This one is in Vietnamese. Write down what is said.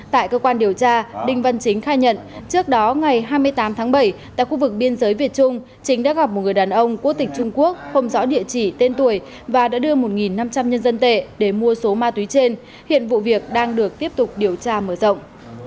tại cơ quan điều tra đinh văn chính khai nhận trước đó ngày hai mươi tám tháng bảy tại khu vực biên giới việt trung chính đã gặp một người đàn ông quốc tịch trung quốc không rõ địa chỉ tên tuổi và đã đưa một năm trăm linh nhân dân tệ để mua số ma túy trên hiện vụ việc đang được tiếp tục điều tra mở rộng